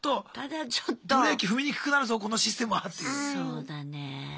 そうだね。